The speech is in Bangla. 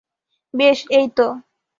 বেশ, এইতো।